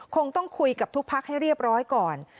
คงต้องคุยกับทุกพักให้เรียบร้อยก่อน